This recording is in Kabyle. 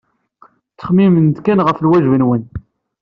Ttxemmimet kan ɣef lwajeb-nwen.